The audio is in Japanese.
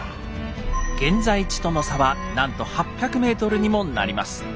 現在地との差はなんと８００ｍにもなります。